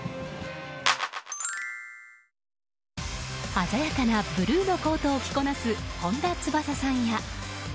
鮮やかなブルーのコートを着こなす本田翼さんや。